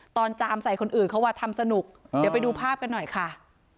จามใส่คนอื่นเขาว่าทำสนุกเดี๋ยวไปดูภาพกันหน่อยค่ะ